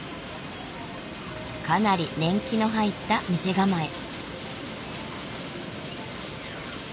かなり年季の入った店構え。